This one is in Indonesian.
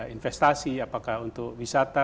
investasi apakah untuk wisata